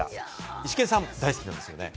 イシケンさん、大好きなんですよね。